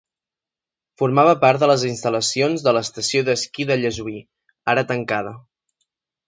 Formava part de les instal·lacions de l'Estació d'esquí de Llessui, ara tancada.